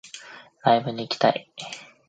ライブに行きたい